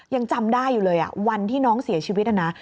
ยังจำได้อยู่เลยวันที่น้องเสียชีวิตนะนะ